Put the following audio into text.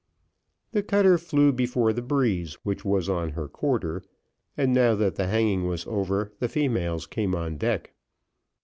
The cutter flew before the breeze which was on her quarter, and now that the hanging was over the females came on deck.